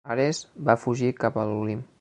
Ares va fugir cap a l'Olimp.